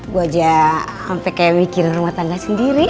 gue aja sampai kayak mikirin rumah tangga sendiri